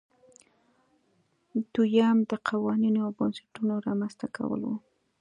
دویم د قوانینو او بنسټونو رامنځته کول وو.